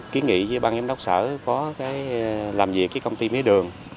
kiến nghị với ban giám đốc sở có cái làm việc với công ty mía đường